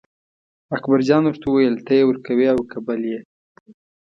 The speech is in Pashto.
اکبرجان ورته وویل ته یې ورکوې او که بل یې.